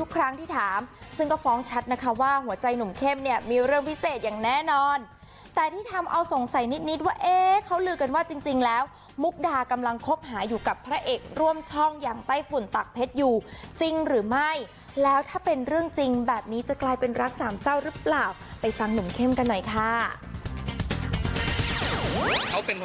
ทุกครั้งที่ถามซึ่งก็ฟ้องชัดนะคะว่าหัวใจหนุ่มเข้มเนี่ยมีเรื่องพิเศษอย่างแน่นอนแต่ที่ทำเอาสงสัยนิดว่าเอ๊ะเขาลือกันว่าจริงแล้วมุกดากำลังคบหาอยู่กับพระเอกร่วมช่องอย่างไต้ฝุ่นตักเพชรอยู่จริงหรือไม่แล้วถ้าเป็นเรื่องจริงแบบนี้จะกลายเป็นรักสามเศร้าหรือเปล่าไปฟังหนุ่มเข้มกันหน่อยค่ะ